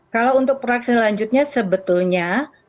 kalau untuk proyek selanjutnya sebetulnya